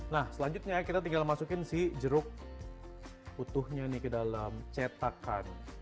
nah selanjutnya kita tinggal masukin si jeruk utuhnya nih ke dalam cetakan